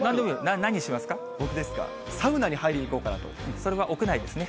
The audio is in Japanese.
僕ですか、サウナに入りに行それは屋内ですね。